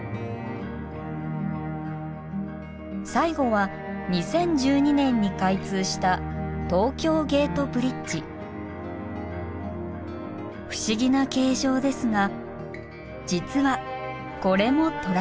最後は２０１２年に開通した不思議な形状ですが実はこれもトラス橋。